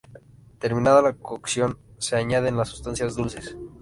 Terminada la cocción se añaden las sustancias dulces.